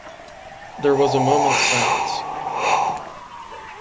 There was a moment’s silence.